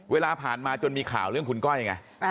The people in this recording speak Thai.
เวลาผ่านมาจนมีข่าวเรื่องคุณก้อยไง